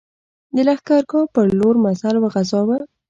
د لښکرګاه پر لور مزل وغځاوه.